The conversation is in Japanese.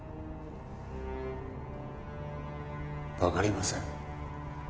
わかりません。